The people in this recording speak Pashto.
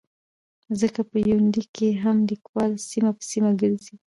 ځکه په يونليک کې هم ليکوال سيمه په سيمه ګرځي